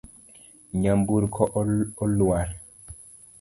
Nyamburko oluar.